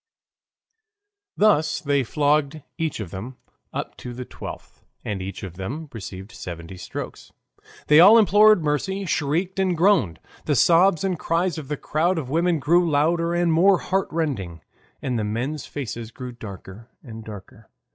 Thus they flogged each of them up to the twelfth, and each of them received seventy strokes. They all implored mercy, shrieked and groaned. The sobs and cries of the crowd of women grew louder and more heart rending, and the men's faces grew darker and darker.